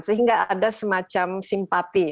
sehingga ada semacam simpati